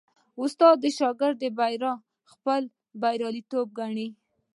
استاد د شاګرد بریا خپل بریالیتوب ګڼي.